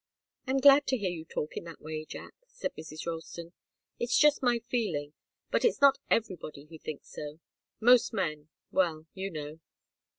"I'm glad to hear you talk in that way, Jack," said Mrs. Ralston. "It's just my feeling. But it's not everybody who thinks so. Most men well, you know!"